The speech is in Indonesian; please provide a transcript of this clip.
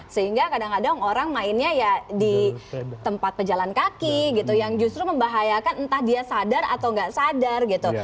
sehingga kadang kadang orang mainnya ya di tempat pejalan kaki gitu yang justru membahayakan entah dia sadar atau nggak sadar gitu